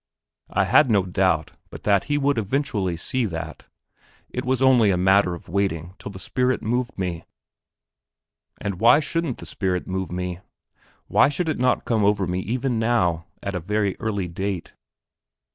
I had no doubt but that he would eventually see that; it only was a matter of waiting till the spirit moved me; and why shouldn't the spirit move me? Why should it not come over me even now, at a very early date?